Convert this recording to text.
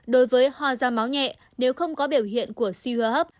đối với ho da máu nhẹ nếu không có biểu hiện của suy hô hấp